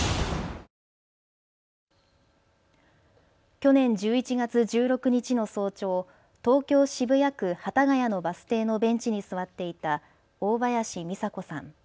去年１１月１６日の早朝、東京渋谷区幡ヶ谷のバス停のベンチに座っていた大林三佐子さん。